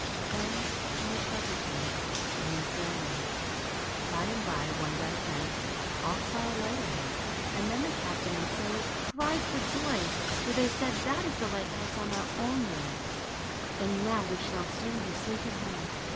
Then came a pleasant wind, and they sailed on. By and by one dark night, all saw a light ahead, and then the captain and sailors cried for joy, for they said, That is the light house on our own land. 128 LITTLE GURLY. and now we shall soon be safe at home